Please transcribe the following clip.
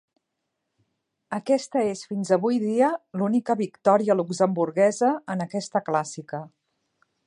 Aquesta és fins avui dia l'única victòria luxemburguesa en aquesta clàssica.